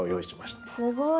すごい！